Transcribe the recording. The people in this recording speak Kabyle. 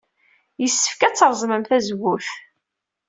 Yessefk ad reẓmen tazewwut?